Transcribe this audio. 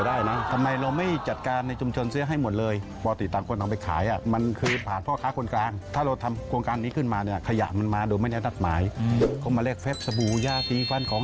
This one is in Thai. เดี๋ยวอยากให้พี่ทอนพาไปดูรวมถึง